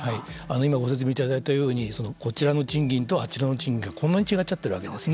今ご説明いただいたようにこちらの賃金と、あちらの賃金がこんなに違っちゃっているわけですね。